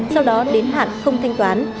sau đó đến hạn không thanh toán